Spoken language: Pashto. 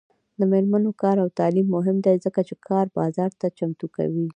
د میرمنو کار او تعلیم مهم دی ځکه چې کار بازار ته چمتو کوي.